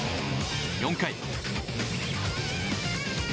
４回。